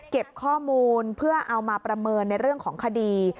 เก็บข้อมูลเพื่อเอามาประเมินในเรื่องของคดี